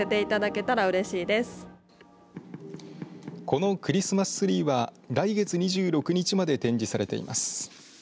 このクリスマスツリーは来月２６日まで展示されています。